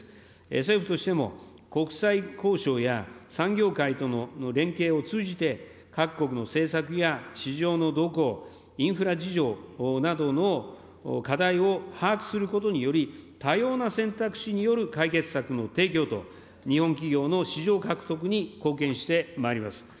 政府としても国際交渉や産業界との連携を通じて、各国の政策や市場の動向、インフラ事情などの課題を把握することにより、多様な選択肢による解決策の提供と、日本企業の市場獲得に貢献してまいります。